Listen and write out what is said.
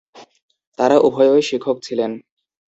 তারা উভয়ই শিক্ষক ছিলেন।